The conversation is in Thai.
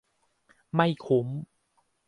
ไม่คุ้น